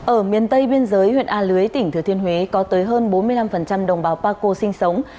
ở miền tây biên giới huyện a lưới tỉnh thừa thiên huế có tới hơn bốn mươi năm đồng bào paco sinh sống